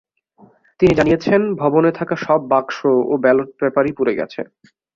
তিনি জানিয়েছেন, ভবনে থাকা সব বাক্স ও ব্যালট পেপারই পুড়ে গেছে।